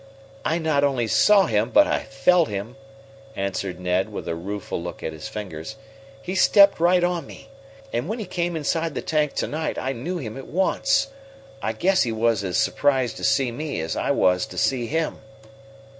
"I not only saw him but I felt him," answered Ned, with a rueful look at his fingers. "He stepped right on me. And when he came inside the tank to night I knew him at once. I guess he was as surprised to see me as I was to see him."